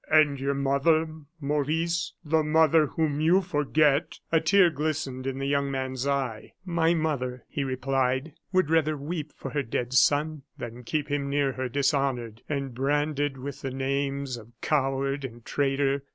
"And your mother, Maurice, the mother whom you forget!" A tear glistened in the young man's eye. "My mother," he replied, "would rather weep for her dead son than keep him near her dishonored, and branded with the names of coward and traitor.